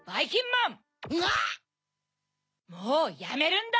もうやめるんだ！